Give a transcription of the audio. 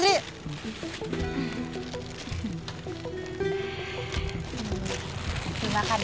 terima kasih makan ya